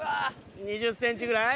２０ｃｍぐらい？